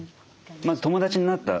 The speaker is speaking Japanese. まず友達になった。